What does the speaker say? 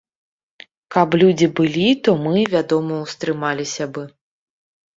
Каб людзі былі, то мы, вядома, устрымаліся бы.